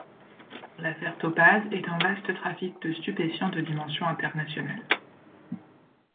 L'Affaire Topaze est un vaste trafic de stupéfiants de dimension internationale.